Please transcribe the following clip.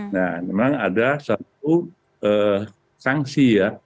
nah memang ada satu sanksi ya